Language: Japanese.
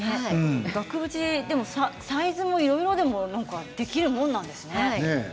額縁のサイズがいろいろでもできるものなんですね。